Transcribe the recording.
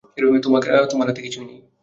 তোমার হাতে কিছুই নেই।